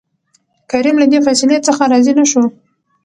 کريم له دې فيصلې څخه راضي نه شو.